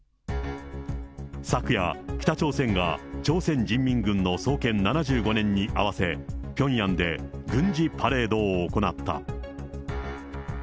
昨夜、北朝鮮が朝鮮人民軍の創建７５年に合わせ、ピョンヤンで軍事パレードを行った。